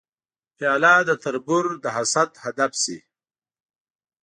پیاله د تربور د حسد هدف شي.